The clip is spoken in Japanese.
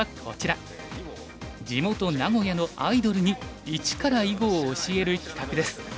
地元名古屋のアイドルにいちから囲碁を教える企画です。